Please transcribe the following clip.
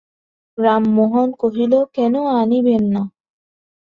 রামমোহন কহিল, কেন আনিবেন না?